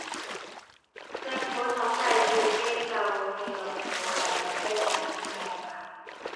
政府統計處機構記錄庫系統的革新計劃